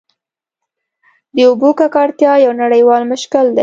د اوبو ککړتیا یو نړیوال مشکل دی.